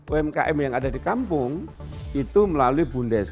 umkm yang ada di kampung itu melalui bundes